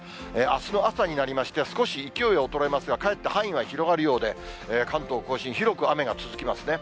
あすの朝になりまして、少し勢いは衰えますが、かえって範囲は広がるようで、関東甲信、広く雨が続きますね。